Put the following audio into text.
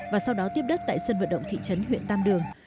và sau đó tiếp đất tại sân vận động thị trấn huyện tam đường